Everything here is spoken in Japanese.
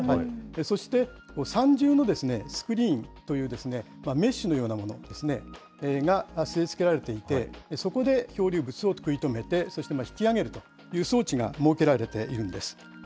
そして３重のスクリーンというメッシュのようなものですね、が据え付けられていて、そこで漂流物を食い止めて、そして引き上げるという装置が設けられているんです。